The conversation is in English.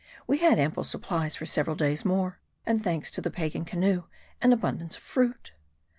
We had ample supplies for several days more, and thanks to the Pagan canoe, an abundance of fruit.